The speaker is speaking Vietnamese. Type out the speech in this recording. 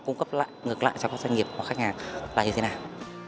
ngược lại cho các doanh nghiệp hoặc khách hàng là như thế nào